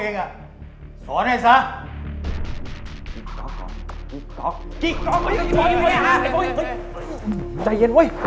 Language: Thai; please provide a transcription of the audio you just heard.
เอ็งมาทำอะไรที่หนี้